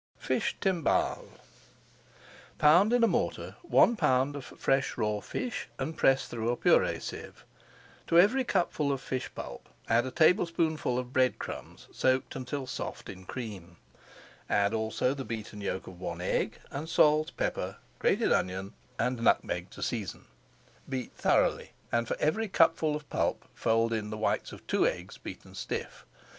FISH TIMBALES Pound in a mortar one pound of fresh raw fish and press through a purée sieve. To every cupful of fish pulp add a tablespoonful of bread crumbs soaked until soft in cream. Add also the beaten yolk of one egg, and salt, pepper, grated onion, and nutmeg to [Page 486] season. Beat thoroughly, and for every cupful of pulp, fold in the whites of two eggs beaten stiff.